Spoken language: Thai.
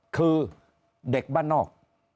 คือเด็กบ้านนอก